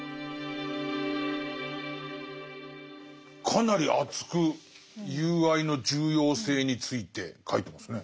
かなり熱く友愛の重要性について書いてますね。